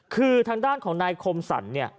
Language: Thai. คือทางด้านของนายคมสรรเนี่ย